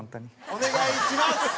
お願いします。